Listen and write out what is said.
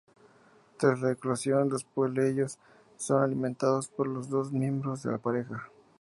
Tras la eclosión los polluelos son alimentados por los dos miembros de la pareja.